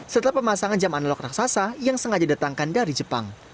setelah pemasangan jam analog raksasa yang sengaja datangkan dari jepang